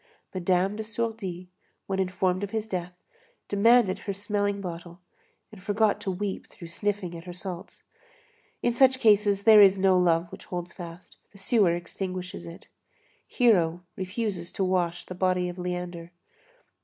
Madame de Sourdis, when informed of his death, demanded her smelling bottle, and forgot to weep, through sniffling at her salts. In such cases, there is no love which holds fast; the sewer extinguishes it. Hero refuses to wash the body of Leander.